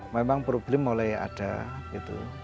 memang problem mulai ada gitu